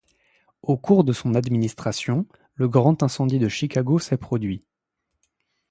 Au cours de son administration, le Grand incendie de Chicago s'est produit.